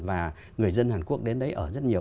và người dân hàn quốc đến đấy ở rất nhiều